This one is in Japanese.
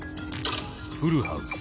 フルハウス。